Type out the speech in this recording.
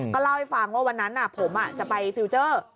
ก็เล่าให้ฟังว่าวันนั้นผมจะไปฟิลเจอร์